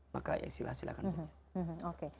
maka silahkan saja